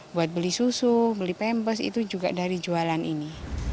buat beli susu beli pembes itu juga dari jualan ini